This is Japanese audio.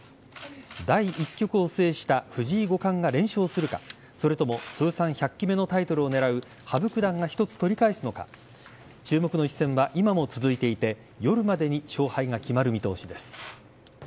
第１局を制した藤井五冠が連勝するかそれとも通算１００期目のタイトルを狙う羽生九段が一つ取り返すのか注目の一戦は今も続いていて夜までに勝敗が決まる見通しです。